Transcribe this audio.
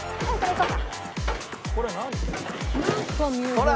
ほら！